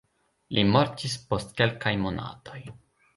Li mortis post kelkaj monatoj.